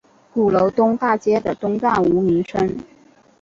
鼓楼东大街的东段无名称。